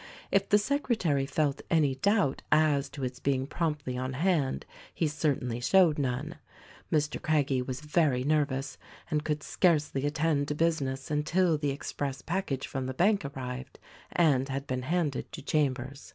If the secretary felt any doubt as to its being promptly on hand he certainly showed none. Mr. Craggie was very nervous and could scarcely attend to busi ness until the express package from the bank arrived and had been handed to Chambers.